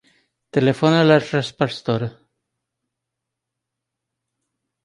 Telefona a l'Achraf Pastor.